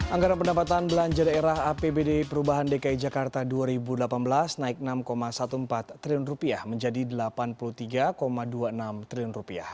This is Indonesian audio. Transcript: anggaran pendapatan belanja daerah apbd perubahan dki jakarta dua ribu delapan belas naik rp enam empat belas triliun menjadi rp delapan puluh tiga dua puluh enam triliun